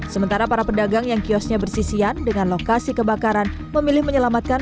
sementara para pedagang yang kiosnya bersisian dengan lokasi kebakaran memilih menyelamatkan